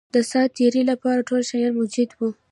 د سات تېري لپاره ټول شیان موجود وه.